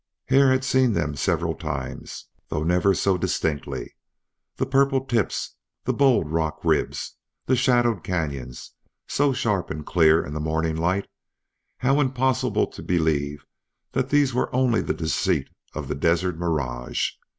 Hare had seen them several times, though never so distinctly. The purple tips, the bold rock ribs, the shadowed canyons, so sharp and clear in the morning light how impossible to believe that these were only the deceit of the desert mirage!